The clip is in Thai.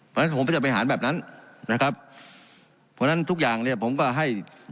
เพราะฉะนั้นผมก็จะไปหารแบบนั้นนะครับเพราะฉะนั้นทุกอย่างเนี่ยผมก็ให้